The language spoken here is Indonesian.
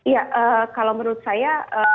ya kalau menurut saya